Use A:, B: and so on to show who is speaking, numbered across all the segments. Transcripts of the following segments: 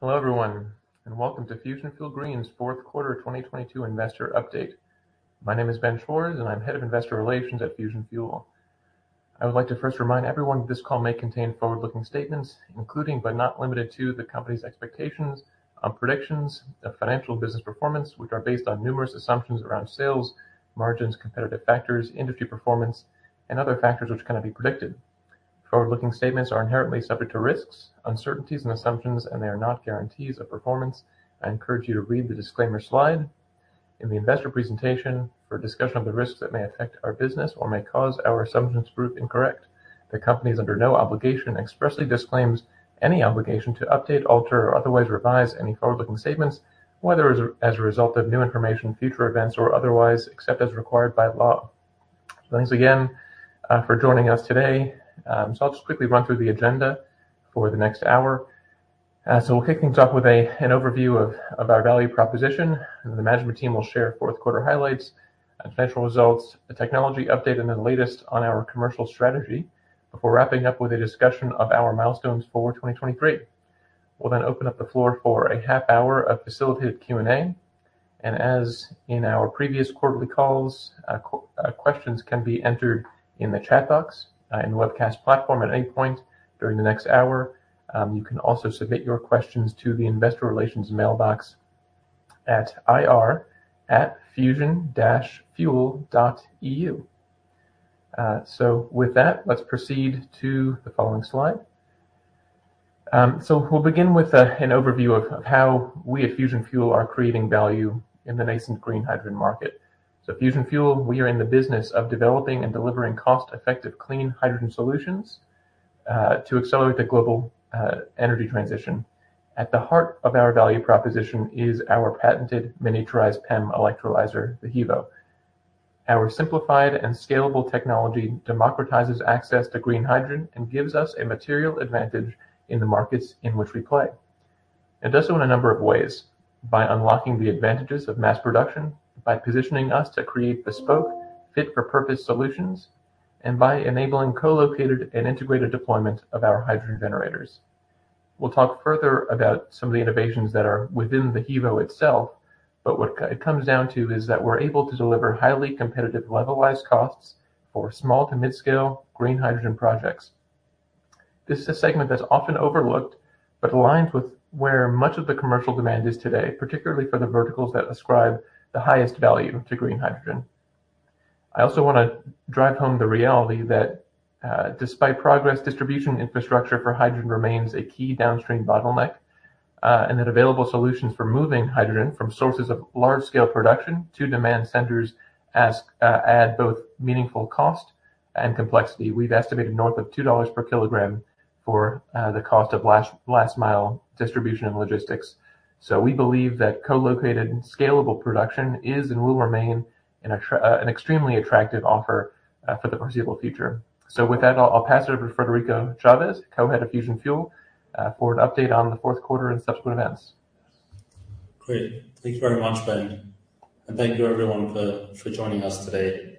A: Hello everyone, welcome to Fusion Fuel Green's fourth quarter 2022 investor update. My name is Ben Schwarz, I'm Head of Investor Relations at Fusion Fuel. I would like to first remind everyone this call may contain forward-looking statements, including but not limited to the company's expectations on predictions of financial business performance, which are based on numerous assumptions around sales, margins, competitive factors, industry performance, and other factors which cannot be predicted. Forward-looking statements are inherently subject to risks, uncertainties, and assumptions, they are not guarantees of performance. I encourage you to read the disclaimer slide in the investor presentation for a discussion on the risks that may affect our business or may cause our assumptions proved incorrect. The company is under no obligation and expressly disclaims any obligation to update, alter, or otherwise revise any forward-looking statements, whether as a result of new information, future events, or otherwise, except as required by law. Thanks again for joining us today. I'll just quickly run through the agenda for the next hour. We'll kick things off with an overview of our value proposition. The management team will share fourth quarter highlights and financial results, a technology update, and then the latest on our commercial strategy before wrapping up with a discussion of our milestones for 2023. We'll then open up the floor for a half hour of facilitated Q&A. As in our previous quarterly calls, questions can be entered in the chat box in the webcast platform at any point during the next hour. You can also submit your questions to the investor relations mailbox at ir@fusion-fuel.eu. With that, let's proceed to the following slide. We'll begin with an overview of how we at Fusion Fuel are creating value in the nascent green hydrogen market. At Fusion Fuel, we are in the business of developing and delivering cost-effective clean hydrogen solutions to accelerate the global energy transition. At the heart of our value proposition is our patented miniaturized PEM electrolyzer, the HEVO. Our simplified and scalable technology democratizes access to green hydrogen and gives us a material advantage in the markets in which we play. It does so in a number of ways, by unlocking the advantages of mass production, by positioning us to create bespoke fit for purpose solutions, and by enabling co-located and integrated deployment of our hydrogen generators. We'll talk further about some of the innovations that are within the HEVO itself. What it comes down to is that we're able to deliver highly competitive levelized costs for small to mid-scale green hydrogen projects. This is a segment that's often overlooked but aligns with where much of the commercial demand is today, particularly for the verticals that ascribe the highest value to green hydrogen. I also wanna drive home the reality that despite progress, distribution infrastructure for hydrogen remains a key downstream bottleneck, and that available solutions for moving hydrogen from sources of large scale production to demand centers add both meaningful cost and complexity. We've estimated north of $2 per kg for the cost of last mile distribution and logistics. We believe that co-located scalable production is and will remain an extremely attractive offer for the foreseeable future. With that, I'll pass it over to Frederico Chaves, Co-Head of Fusion Fuel, for an update on the fourth quarter and subsequent events.
B: Great. Thank you very much, Ben. Thank you everyone for joining us today.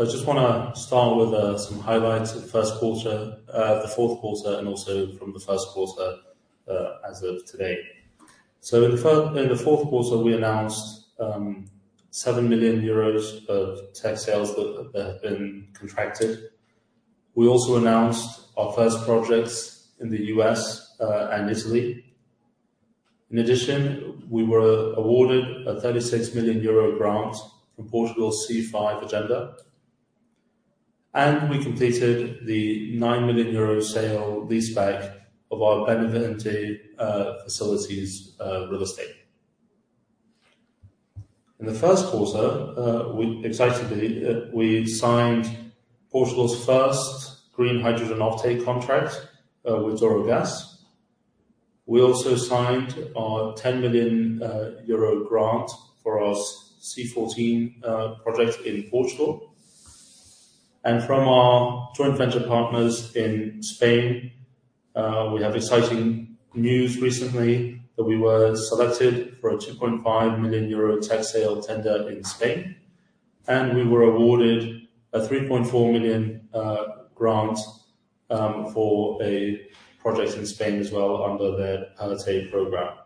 B: I just wanna start with some highlights of the first quarter, the fourth quarter, and also from the first quarter, as of today. In the fourth quarter, we announced 7 million euros of tech sales that have been contracted. We also announced our first projects in the U.S. and Italy. In addition, we were awarded a 36 million euro grant from Portugal C5 agenda. We completed the 9 million euro sale-leaseback of our Benavente facilities real estate. In the first quarter, we excitedly signed Portugal's first green hydrogen offtake contract with Douro Gás Natural. We also signed our 10 million euro grant for our C-14 project in Portugal. From our joint venture partners in Spain, we have exciting news recently that we were selected for a 2.5 million euro tech sale tender in Spain, and we were awarded a 3.4 million grant for a project in Spain as well under their PERTE program.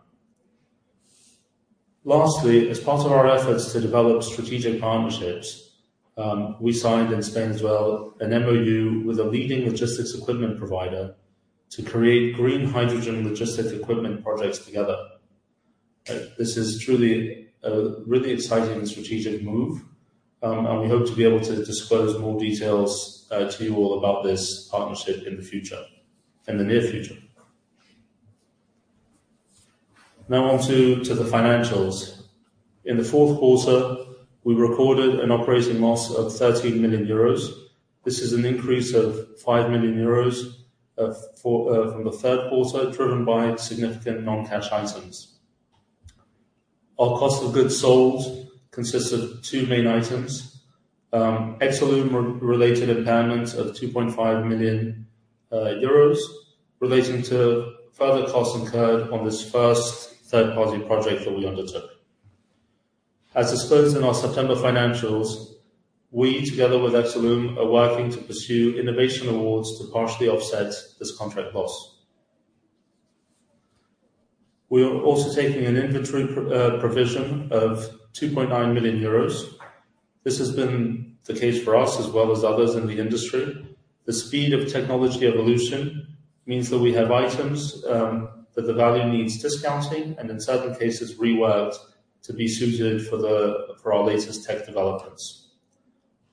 B: Lastly, as part of our efforts to develop strategic partnerships, we signed in Spain as well an MOU with a leading logistics equipment provider to create green hydrogen logistics equipment projects together. This is truly a really exciting strategic move, and we hope to be able to disclose more details to you all about this partnership in the future, in the near future. Now on to the financials. In the fourth quarter, we recorded an operating loss of 13 million euros. This is an increase of 5 million euros from the third quarter, driven by significant non-cash items. Our cost of goods sold consists of two main items. Exolum re-related impairment of 2.5 million euros relating to further costs incurred on this first third-party project that we undertook. As disclosed in our September financials, we together with Exolum are working to pursue innovation awards to partially offset this contract loss. We are also taking an inventory provision of 2.9 million euros. This has been the case for us as well as others in the industry. The speed of technology evolution means that we have items that the value needs discounting and in certain cases reworked to be suited for our latest tech developments.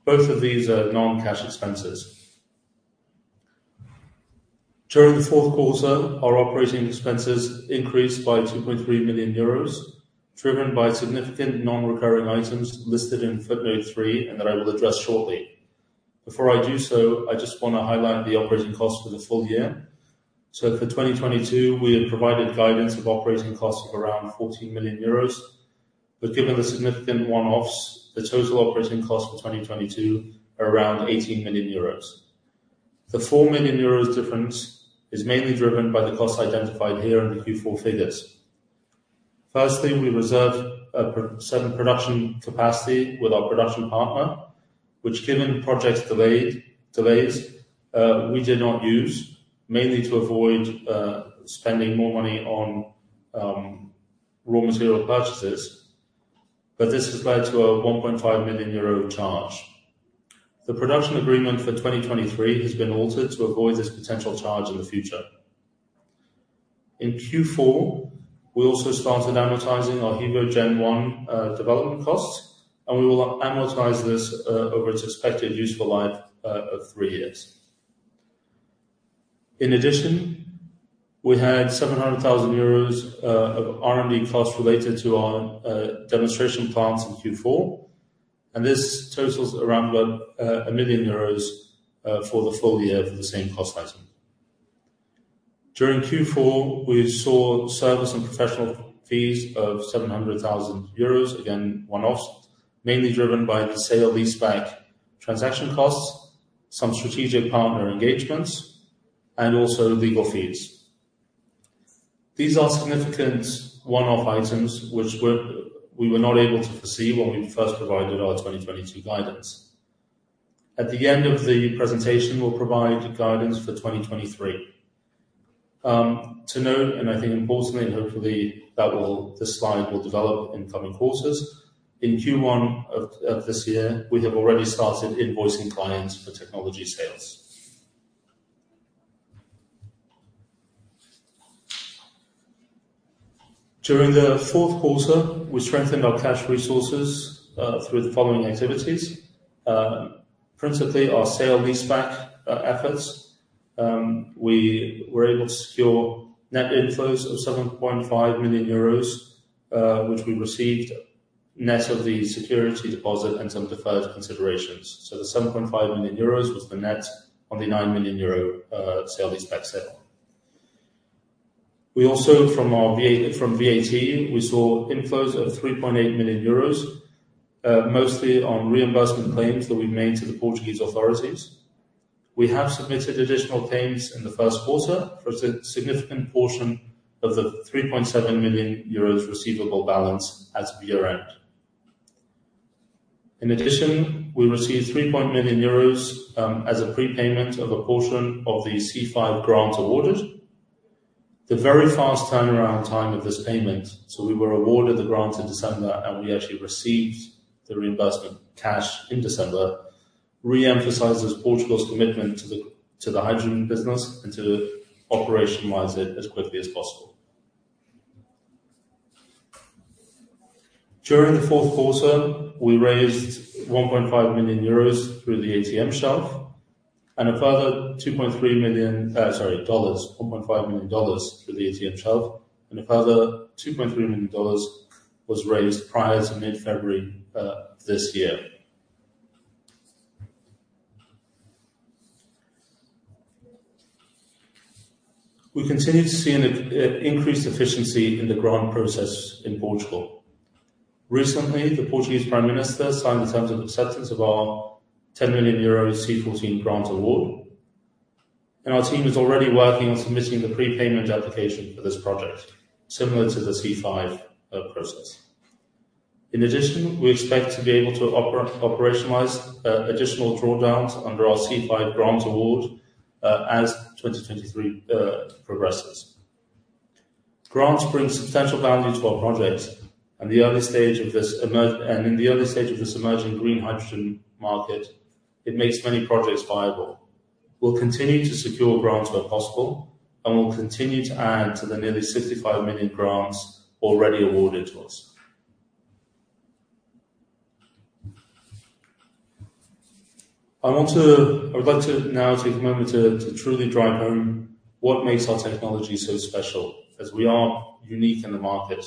B: Both of these are non-cash expenses. During the fourth quarter, our operating expenses increased by 2.3 million euros, driven by significant non-recurring items listed in footnote three and that I will address shortly. Before I do so, I just wanna highlight the operating costs for the full year. For 2022, we had provided guidance of operating costs of around 14 million euros. Given the significant one-offs, the total operating costs for 2022 are around 18 million euros. The 4 million euros difference is mainly driven by the costs identified here in the Q4 figures. Firstly, we reserved certain production capacity with our production partner, which given projects delays, we did not use mainly to avoid spending more money on raw material purchases, but this has led to a 1.5 million euro charge. The production agreement for 2023 has been altered to avoid this potential charge in the future. In Q4, we also started amortizing our HEVO Gen one development costs, and we will amortize this over its expected useful life of three years. In addition, we had 700,000 euros of R&D costs related to our demonstration plants in Q4, and this totals around 1 million euros for the full year for the same cost item. During Q4, we saw service and professional fees of 700,000 euros. Again, one-offs mainly driven by the sale-leaseback transaction costs, some strategic partner engagements and also legal fees. These are significant one-off items which we were not able to foresee when we first provided our 2022 guidance. At the end of the presentation, we'll provide guidance for 2023. To note and I think importantly and hopefully this slide will develop in coming quarters. In Q1 of this year, we have already started invoicing clients for technology sales. During the fourth quarter, we strengthened our cash resources through the following activities. Principally our sale-leaseback efforts. We were able to secure net inflows of 7.5 million euros, which we received net of the security deposit and some deferred considerations. The 7.5 million euros was the net on the 9 million euro sale-leaseback sale. We also from VAT, we saw inflows of 3.8 million euros, mostly on reimbursement claims that we made to the Portuguese authorities. We have submitted additional claims in the first quarter for a significant portion of the 3.7 million euros receivable balance as of year-end. In addition, we received 3.0 million euros as a prepayment of a portion of the C-5 grant awarded. The very fast turnaround time of this payment, so we were awarded the grant in December, and we actually received the reimbursement cash in December, re-emphasizes Portugal's commitment to the hydrogen business and to operationalize it as quickly as possible. During the fourth quarter, we raised $1.5 million through the ATM shelf and a further $2.3 million was raised prior to mid-February this year. We continue to see an increased efficiency in the grant process in Portugal. Recently, the Portuguese Prime Minister signed the terms of acceptance of our 10 million euro C-14 grant award, and our team is already working on submitting the prepayment application for this project similar to the C-5 process. In addition, we expect to be able to operationalize additional drawdowns under our C-5 grant award as 2023 progresses. Grants bring substantial value to our projects and in the early stage of this emerging green hydrogen market, it makes many projects viable. We'll continue to secure grants where possible, and we'll continue to add to the nearly 65 million grants already awarded to us. I would like to now take a moment to truly drive home what makes our technology so special as we are unique in the market.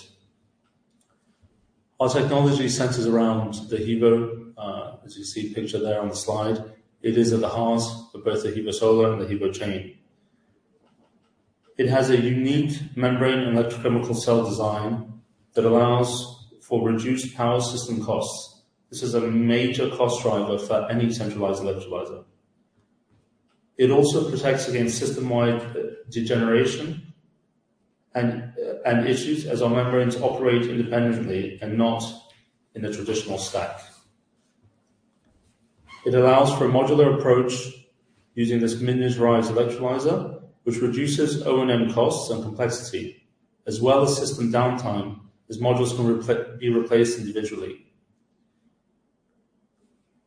B: Our technology centers around the HEVO, as you see pictured there on the slide. It is at the heart of both the HEVO-Solar and the HEVO-Chain. It has a unique membrane electrochemical cell design that allows for reduced power system costs. This is a major cost driver for any centralized electrolyzer. It also protects against system-wide degeneration and issues as our membranes operate independently and not in a traditional stack. It allows for a modular approach using this miniaturized electrolyzer, which reduces O&M costs and complexity as well as system downtime, as modules can be replaced individually.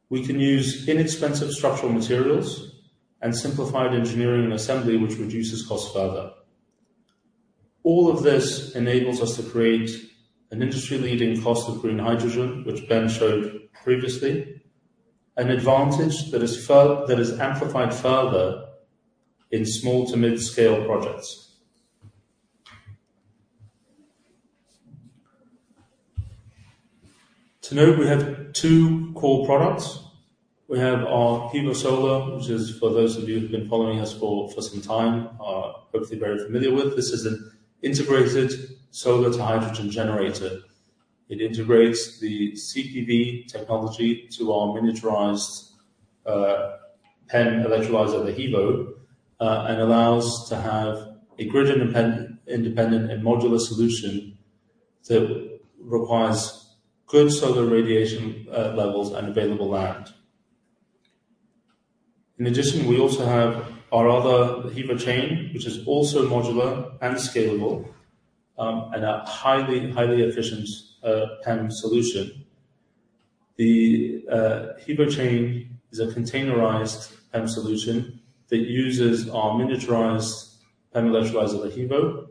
B: We can use inexpensive structural materials and simplified engineering and assembly, which reduces costs further. All of this enables us to create an industry-leading cost of green hydrogen, which Ben showed previously, an advantage that is amplified further in small to mid-scale projects. To note, we have two core products. We have our HEVO-Solar, which is for those of you who've been following us for some time, are hopefully very familiar with. This is an integrated solar-to-hydrogen generator. It integrates the CPV technology to our miniaturized PEM electrolyzer, the HEVO, and allows to have a grid-independent and modular solution that requires good solar radiation levels, and available land. We also have our other, the HEVO-Chain, which is also modular and scalable, and a highly efficient PEM solution. The HEVO-Chain is a containerized PEM solution that uses our miniaturized PEM electrolyzer, the HEVO,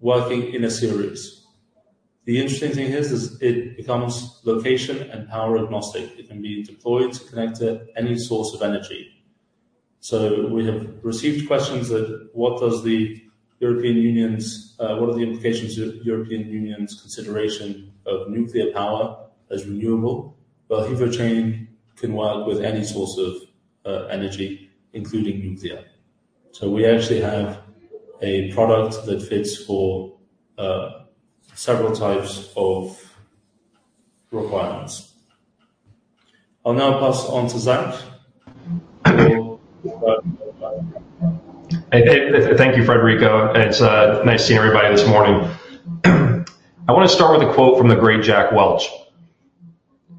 B: working in a series. The interesting thing is, it becomes location and power-agnostic. It can be deployed to connect to any source of energy. We have received questions that what does the European Union's, what are the implications of European Union's consideration of nuclear power as renewable? HEVO-Chain can work with any source of energy, including nuclear. We actually have a product that fits for several types of requirements. I'll now pass on to Zach, who will provide
C: Thank you, Frederico. It's nice seeing everybody this morning. I want to start with a quote from the great Jack Welch.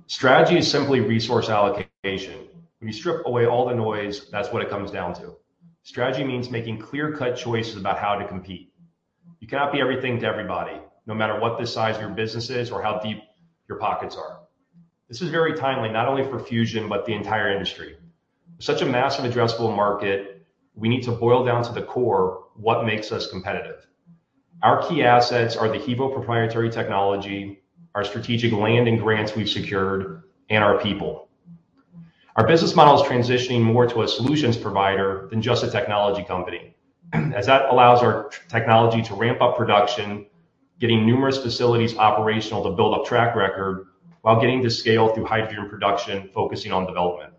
C: "Strategy is simply resource allocation. When you strip away all the noise, that's what it comes down to. Strategy means making clear-cut choices about how to compete. You cannot be everything to everybody, no matter what the size of your business is or how deep your pockets are." This is very timely, not only for Fusion, but the entire industry. Such a massive addressable market. We need to boil down to the core what makes us competitive. Our key assets are the HEVO proprietary technology, our strategic land and grants we've secured, and our people. Our business model is transitioning more to a solutions provider than just a technology company, as that allows our technology to ramp up production, getting numerous facilities operational to build up track record while getting to scale through hydrogen production, focusing on development.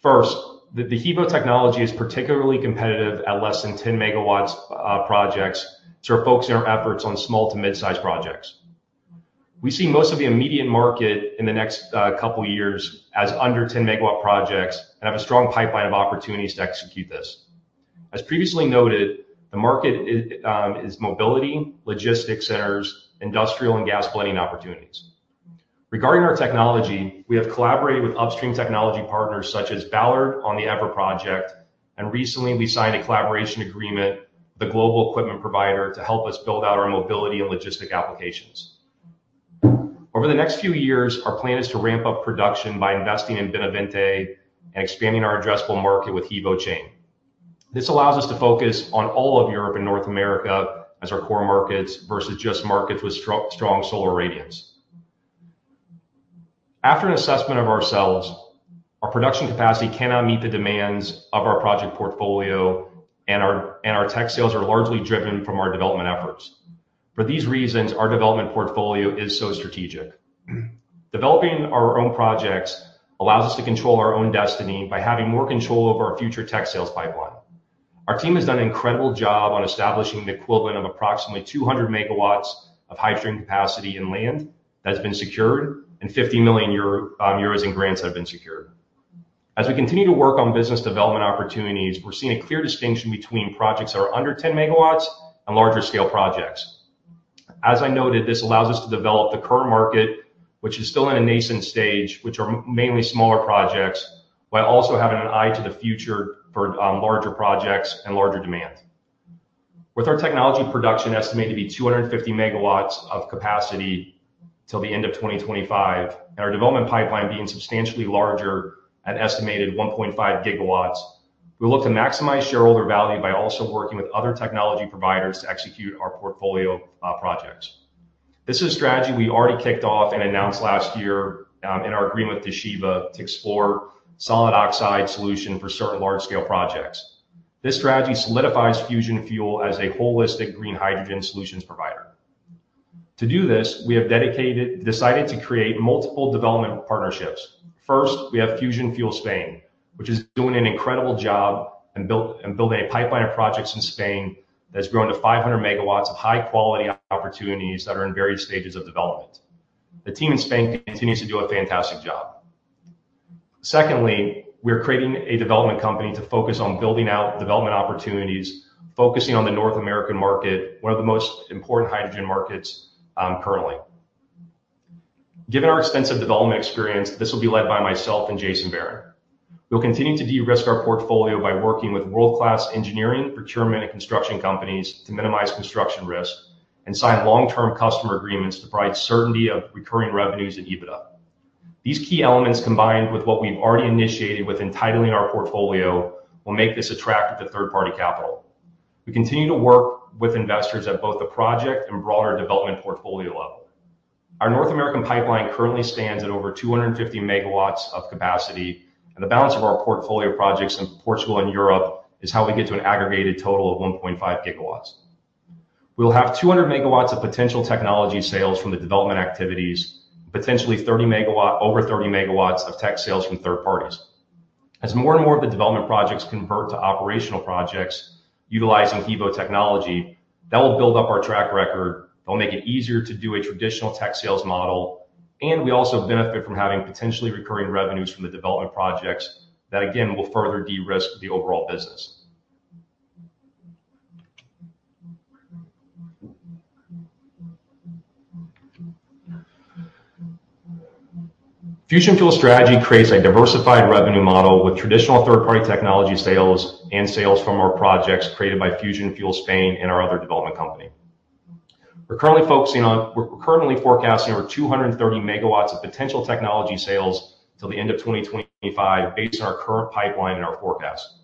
C: First, the HEVO technology is particularly competitive at less than 10 MW projects, so we're focusing our efforts on small to mid-size projects. We see most of the immediate market in the next couple of years as under 10-MW projects and have a strong pipeline of opportunities to execute this. As previously noted, the market is mobility, logistics centers, industrial, and gas blending opportunities. Regarding our technology, we have collaborated with upstream technology partners such as Ballard on the EVER Project. Recently we signed a collaboration agreement with a global equipment provider to help us build out our mobility and logistic applications. Over the next few years, our plan is to ramp up production by investing in Benavente and expanding our addressable market with HEVO-Chain. This allows us to focus on all of Europe and North America as our core markets versus just markets with strong solar radiance. After an assessment of ourselves, our production capacity cannot meet the demands of our project portfolio, and our tech sales are largely driven from our development efforts. For these reasons, our development portfolio is so strategic. Developing our own projects allows us to control our own destiny by having more control over our future tech sales pipeline. Our team has done an incredible job on establishing the equivalent of approximately 200 MW of hydrogen capacity and land that's been secured, and 50 million euro in grants have been secured. As we continue to work on business development opportunities, we're seeing a clear distinction between projects that are under 10 MW and larger scale projects. As I noted, this allows us to develop the current market, which is still in a nascent stage, which are mainly smaller projects, while also having an eye to the future for larger projects and larger demands. With our technology production estimated to be 250 MW of capacity till the end of 2025, and our development pipeline being substantially larger at an estimated 1.5 GW, we look to maximize shareholder value by also working with other technology providers to execute our portfolio projects. This is a strategy we already kicked off and announced last year in our agreement with Toshiba to explore solid oxide solution for certain large-scale projects. This strategy solidifies Fusion Fuel as a holistic green hydrogen solutions provider. To do this, we decided to create multiple development partnerships. First, we have Fusion Fuel Spain, which is doing an incredible job, building a pipeline of projects in Spain that's grown to 500 MW of high quality opportunities that are in various stages of development. The team in Spain continues to do a fantastic job. Secondly, we're creating a development company to focus on building out development opportunities, focusing on the North American market, one of the most important hydrogen markets, currently. Given our extensive development experience, this will be led by myself and Jason Baran. We'll continue to de-risk our portfolio by working with world-class engineering, procurement, and construction companies to minimize construction risk and sign long-term customer agreements to provide certainty of recurring revenues and EBITDA. These key elements, combined with what we've already initiated with entitling our portfolio, will make this attractive to third-party capital. We continue to work with investors at both the project and broader development portfolio level. Our North American pipeline currently stands at over 250 MW of capacity. The balance of our portfolio projects in Portugal and Europe is how we get to an aggregated total of 1.5 GW. We'll have 200 MW of potential technology sales from the development activities, potentially over 30 MW of tech sales from third parties. As more and more of the development projects convert to operational projects utilizing HEVO technology, that will build up our track record. It'll make it easier to do a traditional tech sales model. We also benefit from having potentially recurring revenues from the development projects that, again, will further de-risk the overall business. Fusion Fuel strategy creates a diversified revenue model with traditional third-party technology sales and sales from our projects created by Fusion Fuel Spain and our other development company. We're currently forecasting over 230 MW of potential technology sales till the end of 2025 based on our current pipeline and our forecast.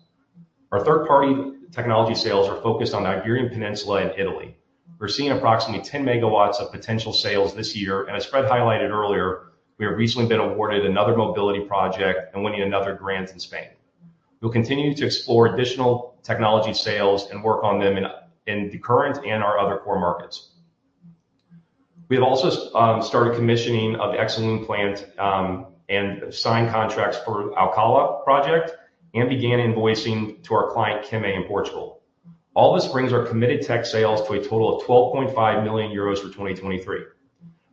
C: Our third-party technology sales are focused on the Iberian Peninsula and Italy. We're seeing approximately 10 MW of potential sales this year, and as Fred highlighted earlier, we have recently been awarded another mobility project and winning another grant in Spain. We'll continue to explore additional technology sales and work on them in the current and our other core markets. We have also started commissioning of the Exolum plant and signed contracts for Alcalá project and began invoicing to our client, QIMA, in Portugal. All this brings our committed tech sales to a total of 12.5 million euros for 2023.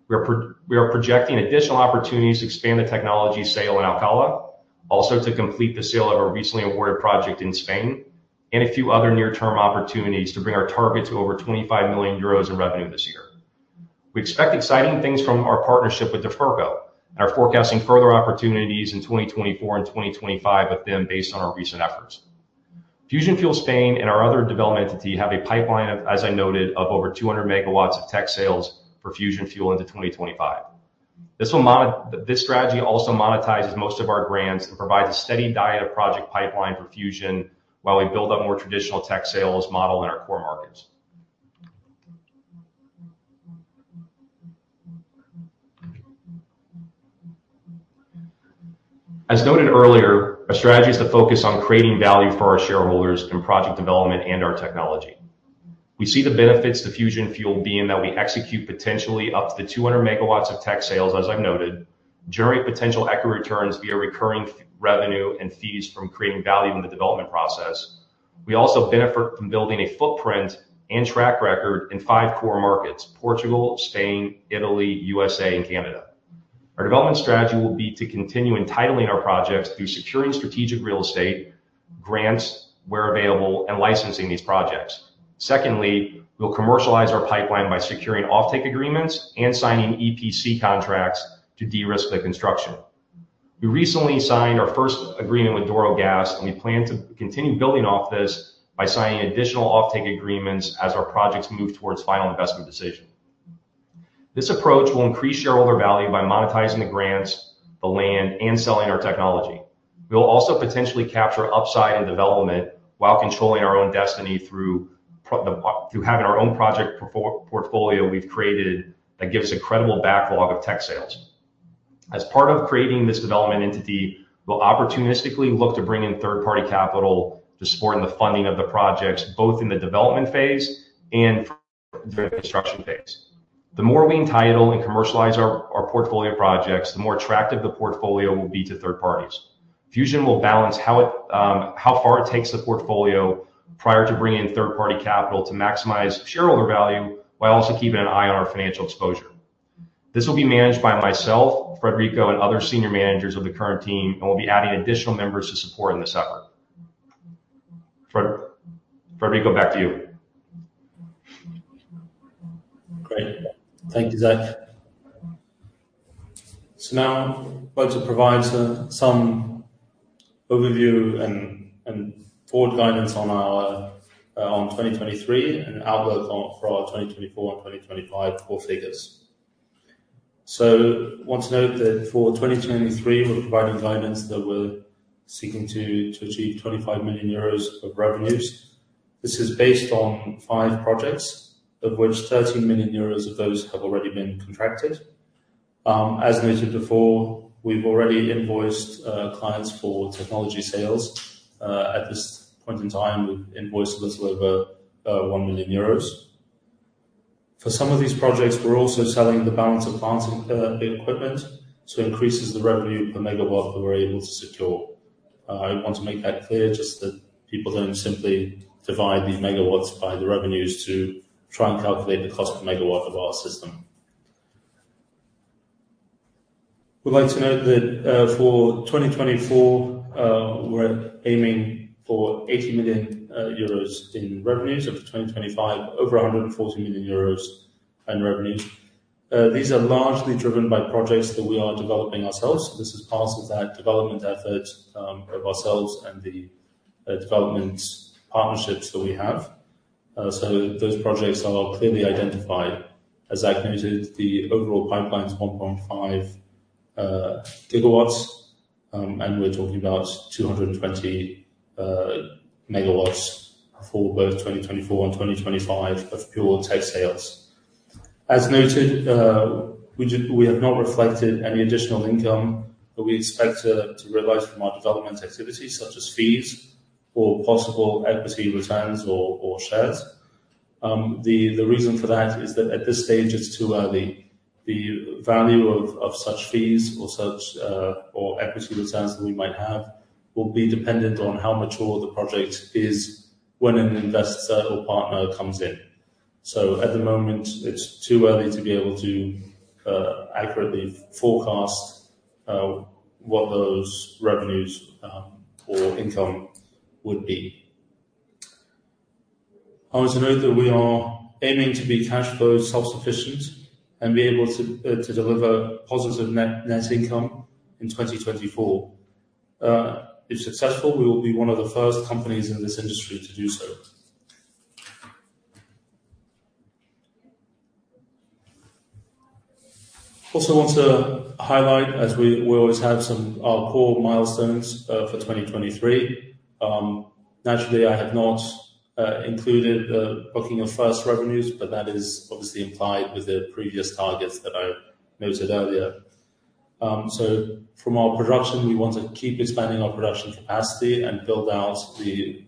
C: We are projecting additional opportunities to expand the technology sale in Alcalá, also to complete the sale of our recently awarded project in Spain, and a few other near-term opportunities to bring our target to over 25 million euros in revenue this year. We expect exciting things from our partnership with Duferco, and are forecasting further opportunities in 2024 and 2025 with them based on our recent efforts. Fusion Fuel Spain and our other development entity have a pipeline, as I noted, of over 200 MW of tech sales for Fusion Fuel into 2025. This strategy also monetizes most of our grants and provides a steady diet of project pipeline for Fusion while we build up more traditional tech sales model in our core markets. As noted earlier, our strategy is to focus on creating value for our shareholders in project development and our technology. We see the benefits to Fusion Fuel being that we execute potentially up to the 200 MW of tech sales, as I've noted, generate potential equity returns via recurring revenue and fees from creating value in the development process. We also benefit from building a footprint and track record in five core markets, Portugal, Spain, Italy, USA, and Canada. Our development strategy will be to continue entitling our projects through securing strategic real estate, grants where available, and licensing these projects. Secondly, we'll commercialize our pipeline by securing offtake agreements and signing EPC contracts to de-risk the construction. We recently signed our first agreement with Douro Gás Natural, we plan to continue building off this by signing additional offtake agreements as our projects move towards final investment decision. This approach will increase shareholder value by monetizing the grants, the land, and selling our technology. We will also potentially capture upside in development while controlling our own destiny through having our own project portfolio we've created that gives us a credible backlog of tech sales. As part of creating this development entity, we'll opportunistically look to bring in third-party capital to support in the funding of the projects, both in the development phase and for the construction phase. The more we entitle and commercialize our portfolio projects, the more attractive the portfolio will be to third parties. Fusion will balance how it, how far it takes the portfolio prior to bringing in third-party capital to maximize shareholder value while also keeping an eye on our financial exposure. This will be managed by myself, Frederico, and other senior managers of the current team, and we'll be adding additional members to support in this effort. Fred, Frederico, back to you.
B: Great. Thank you, Zach. Now I'm going to provide some overview and forward guidance on our 2023 and outlook for our 2024 and 2025 core figures. Want to note that for 2023, we're providing guidance that we're seeking to achieve 25 million euros of revenues. This is based on five projects, of which 13 million euros of those have already been contracted. As noted before, we've already invoiced clients for technology sales. At this point in time, we've invoiced a little over 1 million euros. For some of these projects, we're also selling the balance of plant and clear equipment, so it increases the revenue per megawatt that we're able to secure. I want to make that clear just that people don't simply divide these megawatts by the revenues to try and calculate the cost per megawatt of our system. We'd like to note that, for 2024, we're aiming for 80 million euros in revenues. Over 2025, over 140 million euros in revenues. These are largely driven by projects that we are developing ourselves. This is part of that development effort of ourselves and the development partnerships that we have. Those projects are clearly identified. As Zach noted, the overall pipeline is 1.5 GW, and we're talking about 220 MW for both 2024 and 2025 of pure tech sales. As noted, we have not reflected any additional income that we expect to realize from our development activities, such as fees or possible equity returns or shares. The reason for that is that at this stage it's too early. The value of such fees or such, or equity returns that we might have will be dependent on how mature the project is when an investor or partner comes in. At the moment it's too early to be able to accurately forecast what those revenues or income would be. I want to note that we are aiming to be cash flow self-sufficient and be able to deliver positive net income in 2024. If successful, we will be one of the first companies in this industry to do so. Also want to highlight as we always have our core milestones for 2023. Naturally I have not included the booking of first revenues, but that is obviously implied with the previous targets that I noted earlier. From our production, we want to keep expanding our production capacity and build out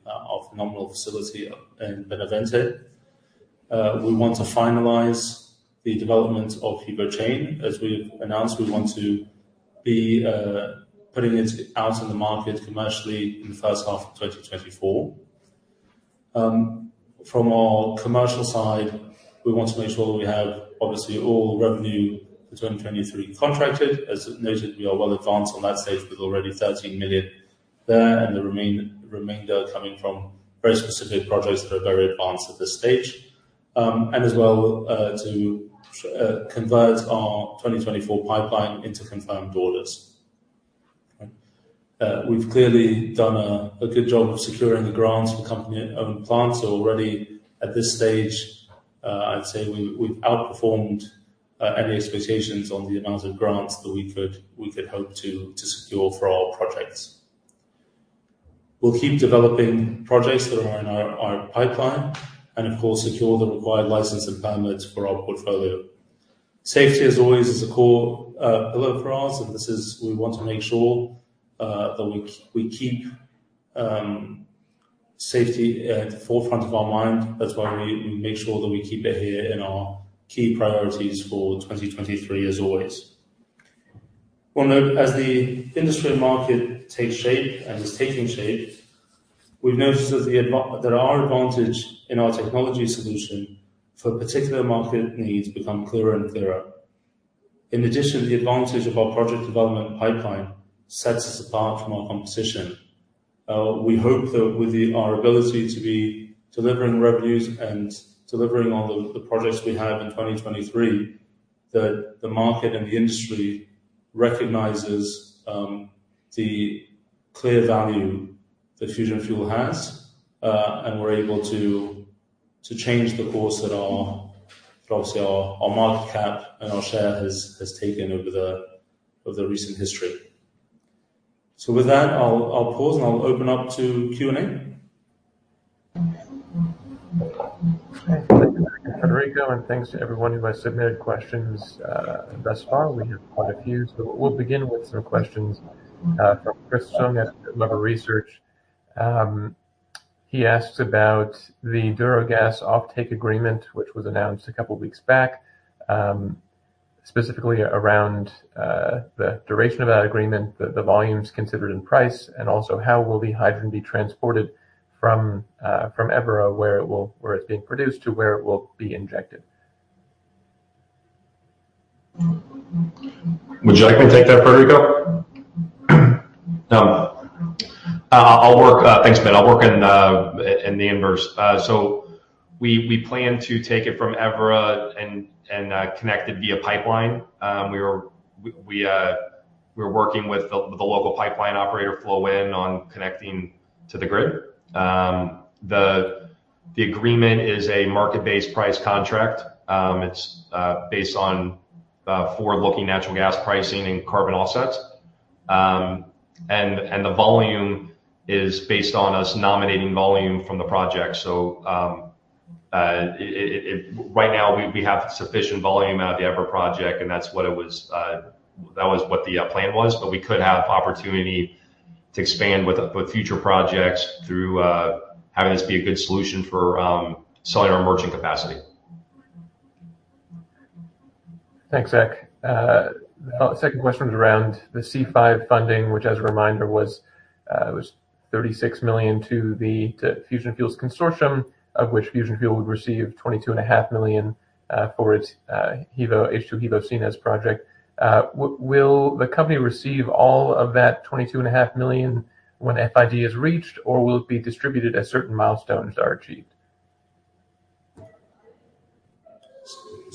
B: our phenomenal facility in Benavente. We want to finalize the development of HEVO-Chain. As we've announced, we want to be putting it out in the market commercially in the first half of 2024. From our commercial side, we want to make sure that we have obviously all revenue for 2023 contracted. As noted, we are well advanced on that stage with already 13 million there, and the remainder coming from very specific projects that are very advanced at this stage. As well, to convert our 2024 pipeline into confirmed orders. We've clearly done a good job of securing the grants for company-owned plants already at this stage. I'd say we've outperformed any expectations on the amount of grants that we could hope to secure for our projects. We'll keep developing projects that are in our pipeline and of course secure the required license and permits for our portfolio. Safety as always is a core pillar for us, this is we want to make sure that we keep safety at the forefront of our mind. That's why we make sure that we keep it here in our key priorities for 2023 as always. We'll note as the industry market takes shape, and is taking shape, we've noticed that our advantage in our technology solution for particular market needs become clearer and clearer. In addition, the advantage of our project development pipeline sets us apart from our competition. We hope that with our ability to be delivering revenues and delivering on the projects we have in 2023, that the market and the industry recognizes the clear value that Fusion Fuel has, and we're able to change the course that our obviously our market cap and our share has taken over the, over the recent history. With that I'll pause and I'll open up to Q&A.
A: Thank you, Frederico. Thanks to everyone who has submitted questions thus far. We have quite a few. We'll begin with some questions from Chris Chung at Webber Research. He asks about the Douro Gás Natural offtake agreement, which was announced a couple weeks back, specifically around the duration of that agreement, the volumes considered in price, and also how will the hydrogen be transported from Évora where it's being produced to where it will be injected.
C: Would you like me to take that, Frederico? I'll work. Thanks, Ben. I'll work in the in the inverse. We plan to take it from Évora and connect it via pipeline. We're working with the local pipeline operator, Flowin, on connecting to the grid. The agreement is a market-based price contract. It's based on forward-looking natural gas pricing and carbon offsets. The volume is based on us nominating volume from the project. Right now we have sufficient volume out of the Évora project, and that's what it was that was what the plan was. We could have opportunity To expand with future projects through, having this be a good solution for selling our emerging capacity.
A: Thanks, Zach. The second question is around the C-5 funding, which as a reminder was 36 million to Fusion Fuel's consortium, of which Fusion Fuel would receive 22.5 million for its HEVO-Sines project. Will the company receive all of that $22.5 million when FID is reached, or will it be distributed as certain milestones are achieved?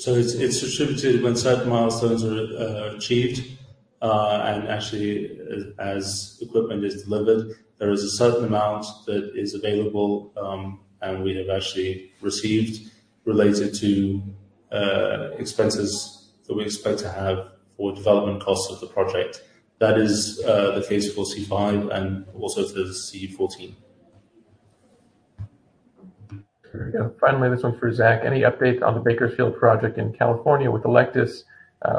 B: It's distributed when certain milestones are achieved, and actually as equipment is delivered. There is a certain amount that is available, and we have actually received related to expenses that we expect to have for development costs of the project. That is the case for C-5 and also to C-14.
A: There we go. Finally, this one's for Zach. Any update on the Bakersfield project in California with Electus?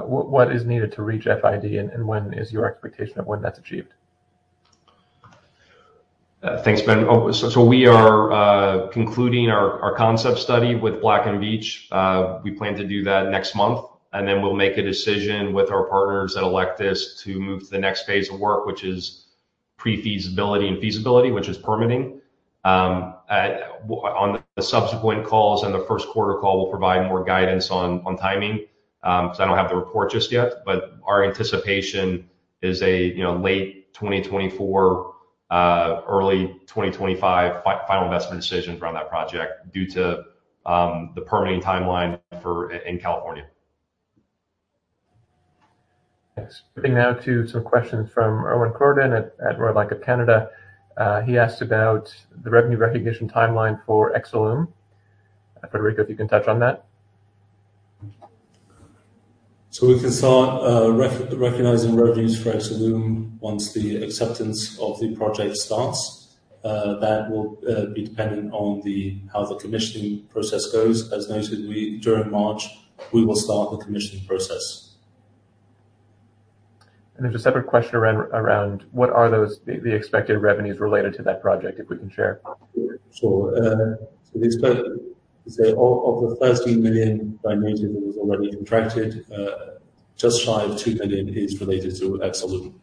A: What is needed to reach FID and when is your expectation of when that's achieved?
C: Thanks, Ben. We are concluding our concept study with Black & Veatch. We plan to do that next month, and then we'll make a decision with our partners at Electus to move to the next phase of work, which is pre-feasibility and feasibility, which is permitting. On the subsequent calls and the first quarter call, we'll provide more guidance on timing, 'cause I don't have the report just yet. Our anticipation is a, you know, late 2024, early 2025 final investment decision from that project due to the permitting timeline for in California.
A: Thanks. Moving now to some questions from Erwin Kerouredan at Royal Bank of Canada. He asked about the revenue recognition timeline for Exolum. Frederico, if you can touch on that.
B: we can start recognizing revenues for Exolum once the acceptance of the project starts. That will be dependent on how the commissioning process goes. As noted, during March, we will start the commissioning process.
A: There's a separate question around what are the expected revenues related to that project, if we can share?
B: Sure. Is that of the 13 million that I noted that was already contracted, just shy of 2 million is related to Exolum.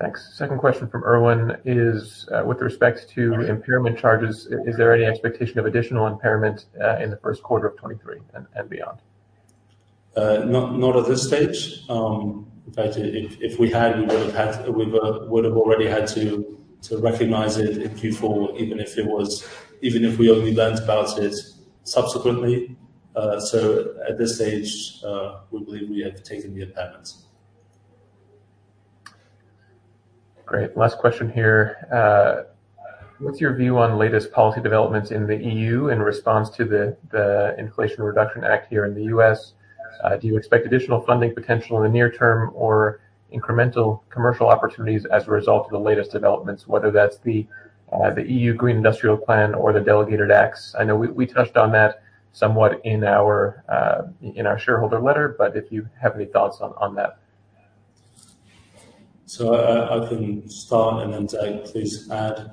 A: Thanks. Second question from Erwin is with respect to impairment charges, is there any expectation of additional impairment in the first quarter of 2023 and beyond?
B: Not at this stage. In fact, if we had, we would have already had to recognize it in Q4, even if we only learned about it subsequently. At this stage, we believe we have taken the impairments.
A: Great. Last question here. What's your view on latest policy developments in the EU in response to the Inflation Reduction Act here in the U.S.? Do you expect additional funding potential in the near term or incremental commercial opportunities as a result of the latest developments, whether that's the Green Deal Industrial Plan or the Delegated Acts? I know we touched on that somewhat in our shareholder letter, but if you have any thoughts on that.
B: I can start and then Zach, please add.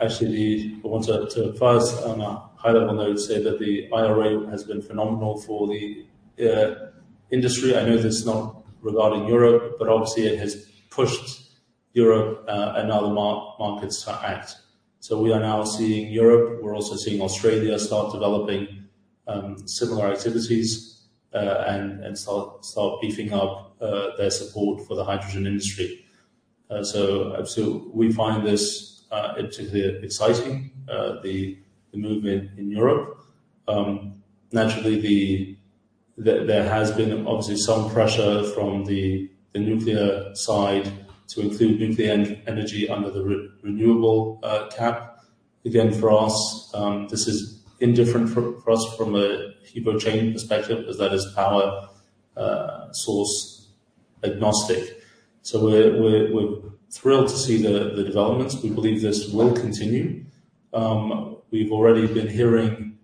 B: Actually the, I want to first on a high level note say that the IRA has been phenomenal for the industry. I know this is not regarding Europe, but obviously it has pushed Europe and other markets to act. We are now seeing Europe, we are also seeing Australia start developing similar activities and start beefing up their support for the hydrogen industry. We find this exciting the movement in Europe. Naturally the, there has been obviously some pressure from the nuclear side to include nuclear energy under the renewable cap. Again, for us, this is indifferent for us from a HEVO-Chain perspective as that is power source agnostic. We're thrilled to see the developments. We believe this will continue. We've already been hearing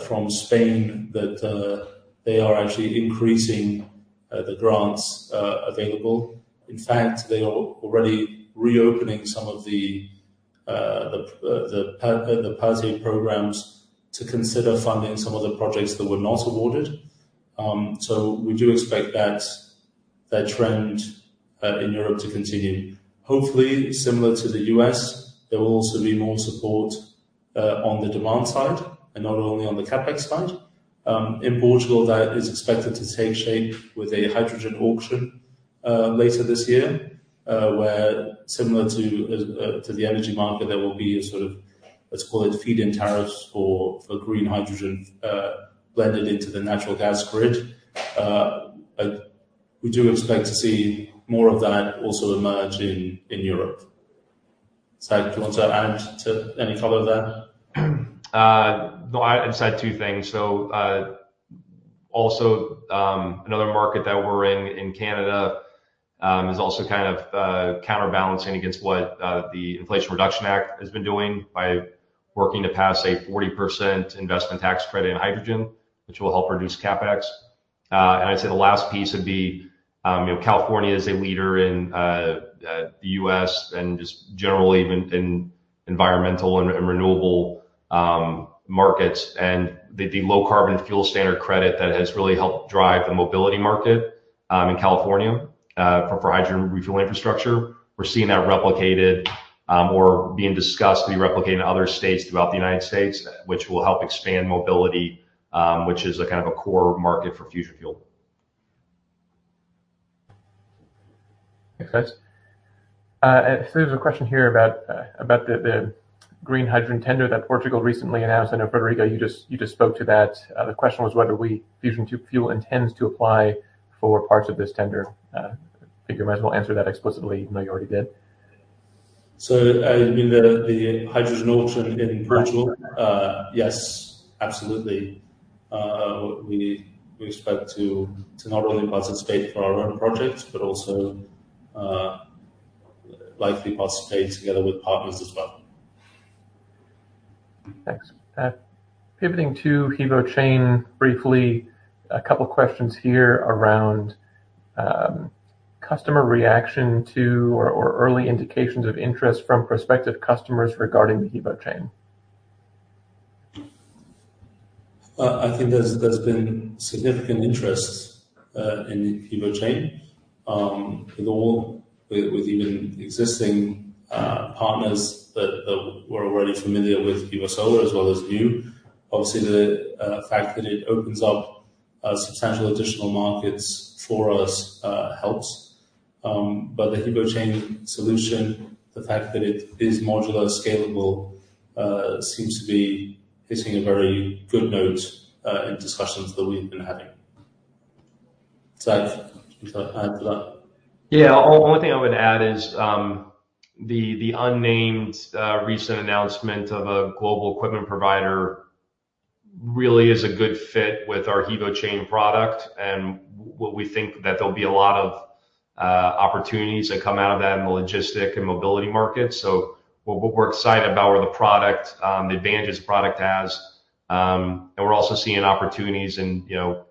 B: from Spain that they are actually increasing the grants available. In fact, they are already reopening some of the POSEUR programs to consider funding some of the projects that were not awarded. We do expect that trend in Europe to continue. Hopefully, similar to the U.S., there will also be more support on the demand side and not only on the CapEx fund. In Portugal, that is expected to take shape with a hydrogen auction later this year, where similar to the energy market, there will be a sort of, let's call it feed-in tariffs for green hydrogen, blended into the natural gas grid. We do expect to see more of that also emerge in Europe. Zach, do you want to add to any color there?
C: No. I'd just add two things. Also, another market that we're in Canada, is also kind of counterbalancing against what the Inflation Reduction Act has been doing by working to pass a 40% investment tax credit in hydrogen, which will help reduce CapEx. I'd say the last piece would be, you know, California is a leader in the U.S. and just generally even in environmental and renewable markets, and the Low Carbon Fuel Standard credit that has really helped drive the mobility market in California for hydrogen regional infrastructure. We're seeing that replicated or being discussed to be replicated in other states throughout the United States, which will help expand mobility, which is a kind of a core market for Fusion Fuel.
A: Thanks, guys. There's a question here about the green hydrogen tender that Portugal recently announced. I know, Frederico, you just spoke to that. The question was whether Fusion Fuel intends to apply for parts of this tender. Figure might as well answer that explicitly even though you already did.
B: You mean the hydrogen auction in Portugal? Yes, absolutely. We expect to not only participate for our own projects, but also likely participate together with partners as well.
A: Thanks. Pivoting to HEVO-Chain briefly. A couple questions here around, customer reaction to or early indications of interest from prospective customers regarding the HEVO-Chain.
B: I think there's been significant interest in HEVO-Chain with even existing partners that were already familiar with HEVO-Solar as well as new. Obviously, the fact that it opens up substantial additional markets for us helps. The HEVO-Chain solution, the fact that it is modular, scalable, seems to be hitting a very good note in discussions that we've been having. Zach, anything to add to that?
C: Only thing I would add is, the unnamed recent announcement of a global equipment provider really is a good fit with our HEVO Chain product, and we think that there'll be a lot of opportunities that come out of that in the logistic and mobility market. What we're excited about are the product, the advantages the product has. And we're also seeing opportunities in, you know,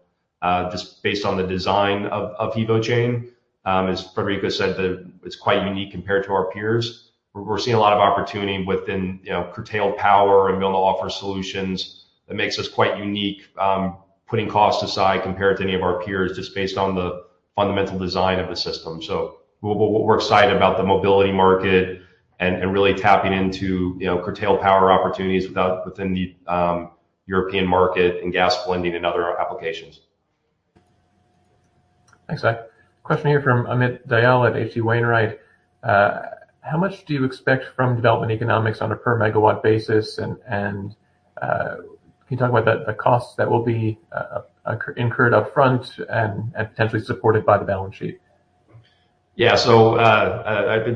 C: just based on the design of HEVO Chain. As Frederico said, it's quite unique compared to our peers. We're seeing a lot of opportunity within, you know, curtailed power and being able to offer solutions that makes us quite unique, putting cost aside, compared to any of our peers, just based on the fundamental design of the system. We're excited about the mobility market and really tapping into, you know, curtailed power opportunities within the European market, and gas blending, and other applications.
A: Thanks, Zach. Question here from Amit Dayal at H.C. Wainwright. How much do you expect from development economics on a per megawatt basis? Can you talk about the costs that will be incurred upfront and potentially supported by the balance sheet?
C: Yeah. It's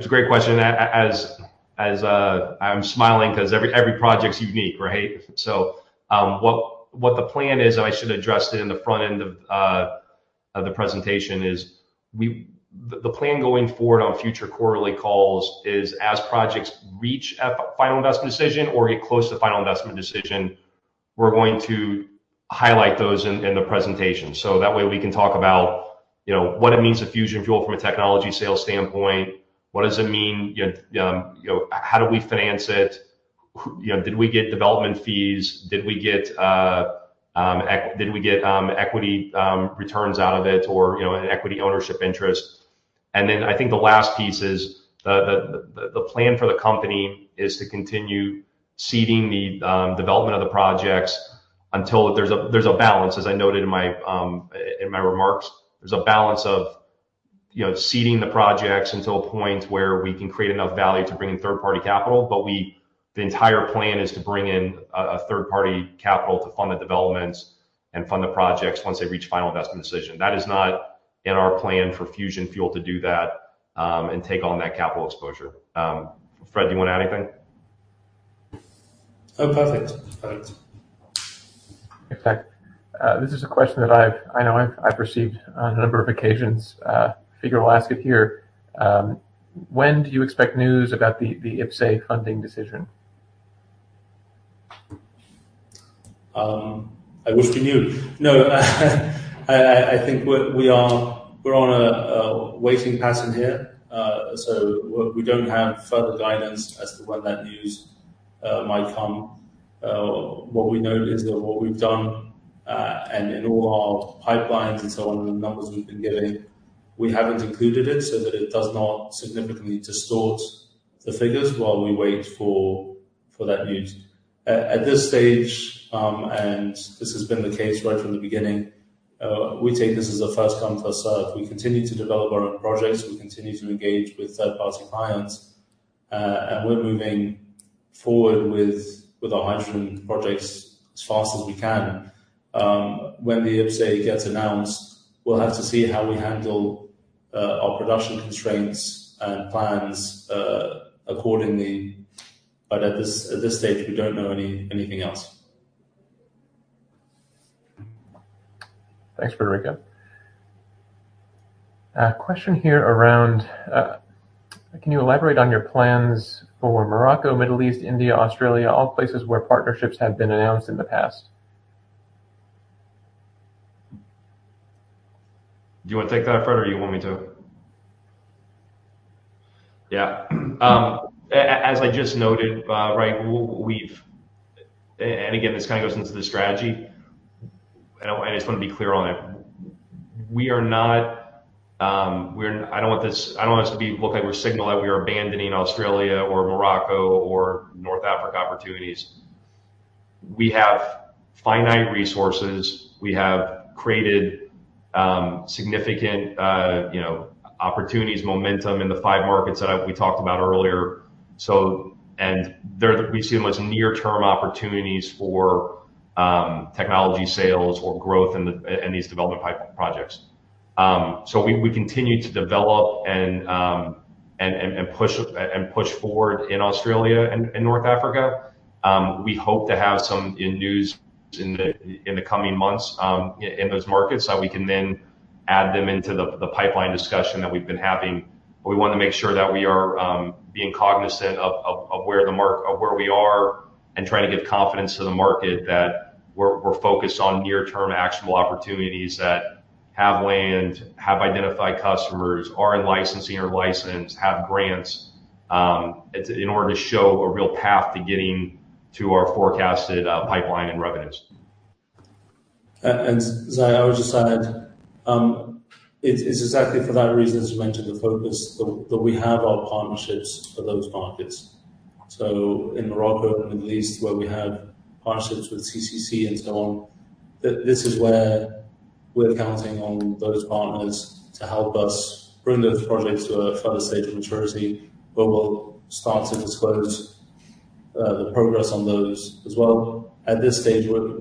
C: a great question. As I'm smiling 'cause every project's unique, right? What the plan is, and I should have addressed it in the front end of the presentation is. The plan going forward on future quarterly calls is as projects reach a final investment decision or get close to final investment decision, we're going to highlight those in the presentation. That way we can talk about, you know, what it means to Fusion Fuel from a technology sales standpoint. What does it mean, you know, how do we finance it? You know, did we get development fees? Did we get equity returns out of it or, you know, an equity ownership interest? I think the last piece is the plan for the company is to continue seeding the development of the projects until there's a balance, as I noted in my remarks. There's a balance of, you know, seeding the projects until a point where we can create enough value to bring in third-party capital. The entire plan is to bring in a third-party capital to fund the developments and fund the projects once they reach final investment decision. That is not in our plan for Fusion Fuel to do that and take on that capital exposure. Fred, do you wanna add anything?
B: No. Perfect. That's perfect.
A: Thanks, Zach. This is a question that I've received on a number of occasions. Figure we'll ask it here. When do you expect news about the IPCEI funding decision?
B: I wish we knew. No, I think we're on a waiting pattern here. We don't have further guidance as to when that news might come. What we know is that what we've done, and in all our pipelines and so on, the numbers we've been giving, we haven't included it so that it does not significantly distort the figures while we wait for that news. At this stage, this has been the case right from the beginning, we take this as a first come, first served. We continue to develop our own projects. We continue to engage with third-party clients, we're moving forward with our hydrogen projects as fast as we can. When the IPCEI gets announced, we'll have to see how we handle our production constraints and plans accordingly. At this stage, we don't know anything else.
A: Thanks, Frederico. A question here around, can you elaborate on your plans for Morocco, Middle East, India, Australia, all places where partnerships have been announced in the past?
C: Do you want to take that, Fred, or do you want me to? Yeah. as I just noted, right, we've. Again, this kind of goes into the strategy, I just want to be clear on it. We are not, we're I don't want this, I don't want us to be, look like we're signaling that we are abandoning Australia or Morocco or North Africa opportunities. We have finite resources. We have created significant, you know, opportunities, momentum in the five markets that we talked about earlier. There we see the most near-term opportunities for technology sales or growth in these development pipe projects. We continue to develop and push forward in Australia and North Africa. We hope to have some news in the coming months in those markets, that we can then add them into the pipeline discussion that we've been having. We want to make sure that we are being cognizant of where we are and trying to give confidence to the market that we're focused on near-term actionable opportunities that have land, have identified customers, are in licensing or licensed, have grants, it's in order to show a real path to getting to our forecasted pipeline and revenues.
B: Zach, I would just add, it's exactly for that reason, as you mentioned, the focus that we have our partnerships for those markets. In Morocco and Middle East, where we have partnerships with CCC and so on, this is where we're counting on those partners to help us bring those projects to a further stage of maturity, where we'll start to disclose the progress on those as well. At this stage, we're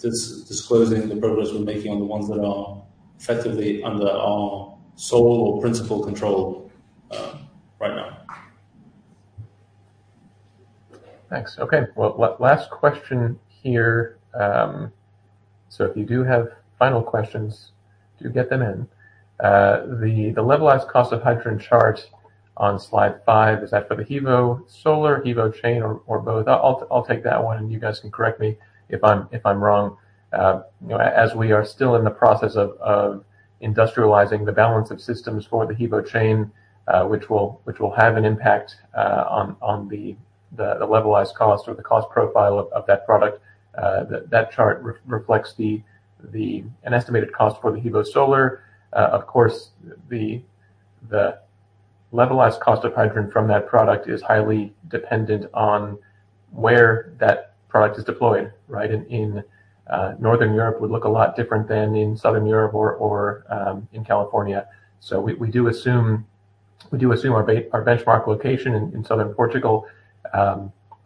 B: disclosing the progress we're making on the ones that are effectively under our sole or principal control right now.
A: Thanks. Okay. Last question here, so if you do have final questions, do get them in. The levelized cost of hydrogen chart on slide five, is that for the HEVO-Solar, HEVO-Chain or both? I'll take that one, and you guys can correct me if I'm wrong. You know, as we are still in the process of industrializing the balance of systems for the HEVO-Chain, which will have an impact on the levelized cost or the cost profile of that product, that chart reflects an estimated cost for the HEVO-Solar. Of course, the levelized cost of hydrogen from that product is highly dependent on where that product is deployed, right? In Northern Europe would look a lot different than in Southern Europe or in California. We do assume our benchmark location in southern Portugal.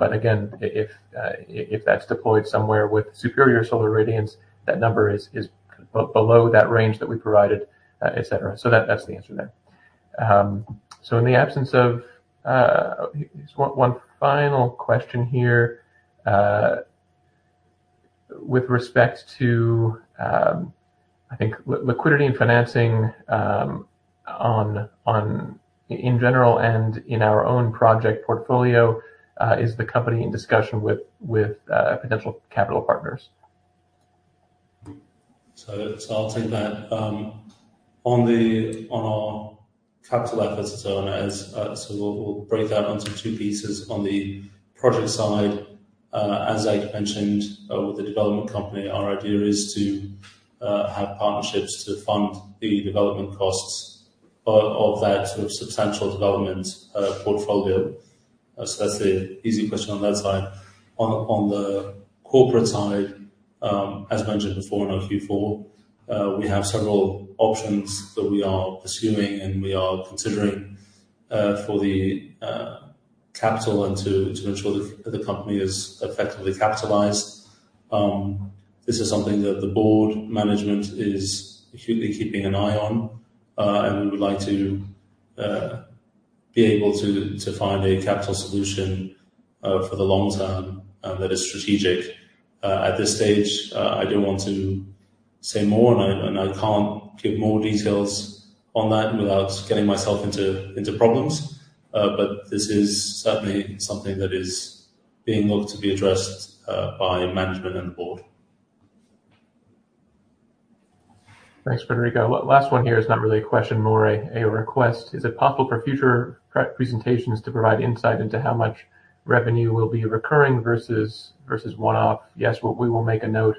A: Again, if that's deployed somewhere with superior solar radiance, that number is below that range that we provided, et cetera. That's the answer there. In the absence of... Here's one final question here with respect to I think liquidity and financing in general and in our own project portfolio. Is the company in discussion with potential capital partners?
B: I'll take that. On the, on our capital efforts as well, and as we'll break that up into two pieces. On the project side, as Zach mentioned, with the development company, our idea is to have partnerships to fund the development costs of that sort of substantial development portfolio. That's the easy question on that side. On the, on the corporate side, as mentioned before in our Q4, we have several options that we are pursuing, and we are considering for the capital and to ensure the company is effectively capitalized. This is something that the board management is acutely keeping an eye on, and we would like to be able to find a capital solution for the long term, that is strategic. At this stage, I don't want to say more, and I can't give more details on that without getting myself into problems. This is certainly something that is being looked to be addressed by management and the board.
A: Thanks, Frederico. Last one here is not really a question, more a request. Is it possible for future pre-presentations to provide insight into how much revenue will be recurring versus one-off? Yes. We will make a note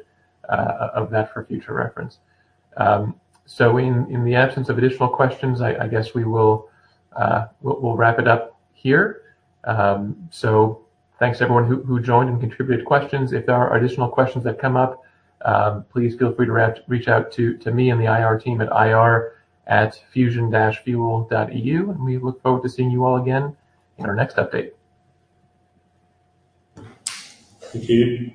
A: of that for future reference. In the absence of additional questions, I guess we'll wrap it up here. Thanks everyone who joined and contributed questions. If there are additional questions that come up, please feel free to reach out to me and the IR team at ir@fusion-fuel.eu. We look forward to seeing you all again in our next update.
B: Thank you.